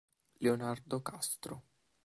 Leonardo Castro